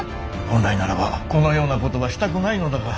本来ならばこのようなことはしたくないのだが。